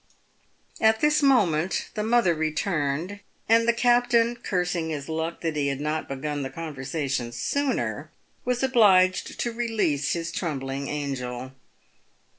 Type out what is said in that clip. At this moment the mother returned, and the captain, cursing his luck that he had not begun the conversation sooner, was obliged to release his trembling angel.